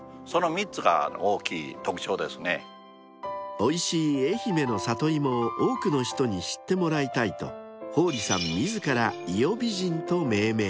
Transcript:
［おいしい愛媛のサトイモを多くの人に知ってもらいたいと宝利さん自ら伊予美人と命名］